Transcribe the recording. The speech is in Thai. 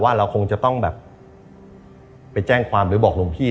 เราคงจะต้องแบบไปแจ้งความหรือบอกหลวงพี่